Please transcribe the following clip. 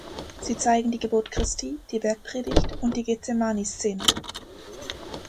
Sie zeigen die Geburt Christi, die Bergpredigt und die Getsemani-Szene.